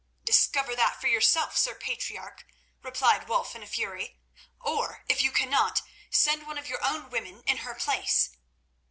"Discover that for yourself, Sir Patriarch," replied Wulf in fury. "Or, if you cannot, send one of your own women in her place."